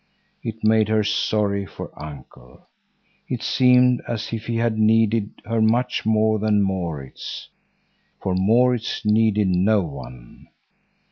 It made her sorry for Uncle. It seemed as if he had needed her much more than Maurits, for Maurits needed no one.